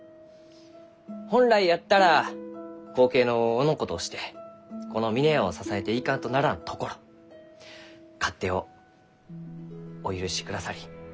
本来やったら後継のおのことしてこの峰屋を支えていかんとならんところ勝手をお許しくださりありがたく思う